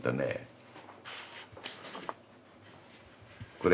これ